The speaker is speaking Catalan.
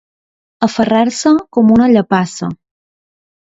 Aferrar-se com una llepassa.